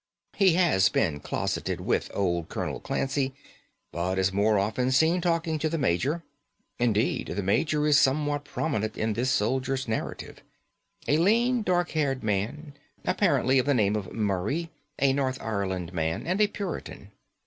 He has been closeted with old Colonel Clancy; but is more often seen talking to the major. Indeed, the major is somewhat prominent in this soldier's narrative; a lean, dark haired man, apparently, of the name of Murray a north of Ireland man and a Puritan.